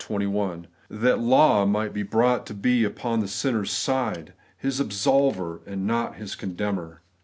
21) ; that law might be brought to be upon the sinner's side ; his absolver, and not his condemnor.